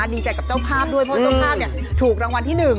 ดีใจกับเจ้าภาพด้วยเพราะเจ้าภาพถูกรางวัลที่๑